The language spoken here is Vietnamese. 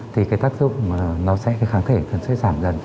thì cái tác dụng nó sẽ cái kháng thể nó sẽ giảm dần